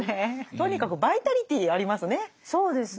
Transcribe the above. とにかくバイタリティーありますね。